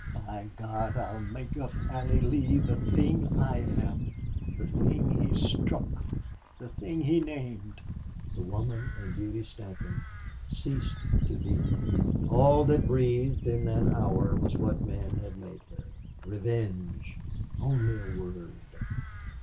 "By God! I'll make of Allie Lee the thing I am! The thing he struck the thing he named!" The woman in Beauty Stanton ceased to be. All that breathed, in that hour, was what men had made her. Revenge, only a word!